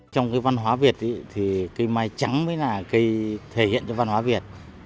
trong cái văn hóa việt thì cây mai trắng mới là cây thể hiện cho văn hóa việt